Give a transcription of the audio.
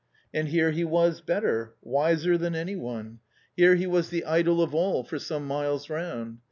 And here he was better, wiser than any one ! Here he was the idol of all for some miles round.